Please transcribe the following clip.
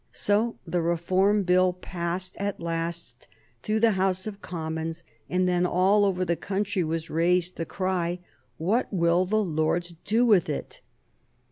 So the Reform Bill passed at last through the House of Commons, and then all over the country was raised the cry, "What will the Lords do with it?"